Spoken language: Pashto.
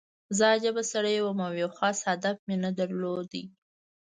زه عجیبه سړی وم او یو خاص هدف مې نه درلود